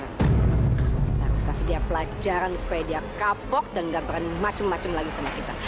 kita harus kasih dia pelajaran supaya dia kapok dan nggak berani macem macem lagi sama kita